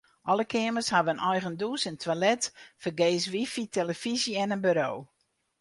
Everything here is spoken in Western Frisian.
Alle keamers hawwe in eigen dûs en toilet, fergees wifi, tillefyzje en in buro.